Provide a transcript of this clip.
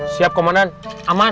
siap komandan aman